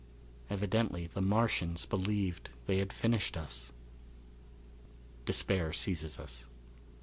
Evidently the Martians believed they had finished us. Despair Seizes Us.